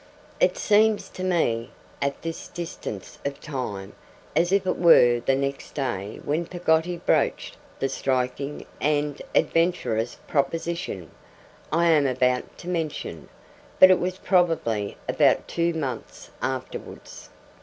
It seems to me, at this distance of time, as if it were the next day when Peggotty broached the striking and adventurous proposition I am about to mention; but it was probably about two months afterwards.